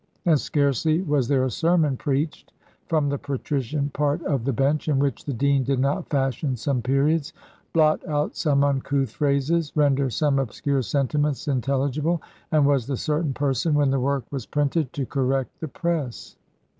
And scarcely was there a sermon preached from the patrician part of the bench, in which the dean did not fashion some periods, blot out some uncouth phrases, render some obscure sentiments intelligible, and was the certain person, when the work was printed, to correct the press.